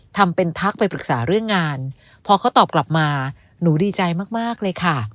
ทำเป็นทักไปปรึกษาเรื่องงานพอเขาตอบกลับมาหนูดีใจมากมากเลยค่ะ